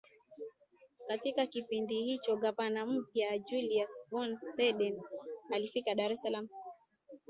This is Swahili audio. Katika kipindi hicho gavana mpya Julius von Soden alifika Dar es Salaam